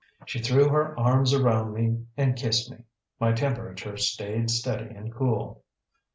She threw her arms around me and kissed me. My temperature stayed steady and cool.